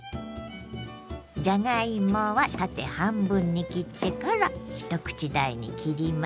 じゃがいもは縦半分に切ってから一口大に切ります。